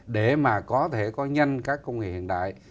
để mà có thể có nhanh các công nghệ hiện đại